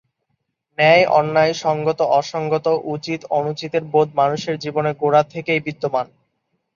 ন্যায়-অন্যায়, সঙ্গত-অসঙ্গত, উচিত-অনুচিতের বোধ মানুষের জীবনে গোড়া থেকেই বিদ্যমান।